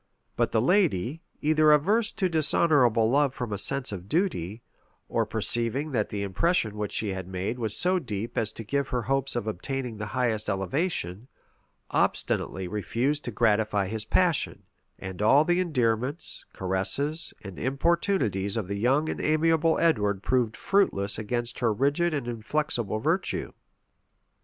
But the lady, either averse to dishonorable love from a sense of duty, or perceiving that the impression which she had made was so deep as to give her hopes of obtaining the highest elevation, obstinately refused to gratify his passion; and all the endearments, caresses, and importunities of the young and amiable Edward proved fruitless against her rigid and inflexible virtue.